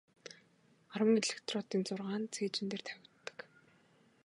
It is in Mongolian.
Арван электродын зургаа нь цээжин дээр тавигддаг.